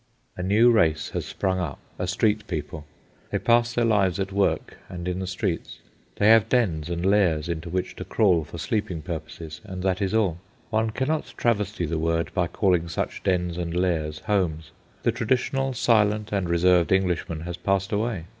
A new race has sprung up, a street people. They pass their lives at work and in the streets. They have dens and lairs into which to crawl for sleeping purposes, and that is all. One cannot travesty the word by calling such dens and lairs "homes." The traditional silent and reserved Englishman has passed away.